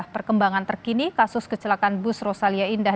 perkembangan terkini kasus kecelakaan bus rosalia indah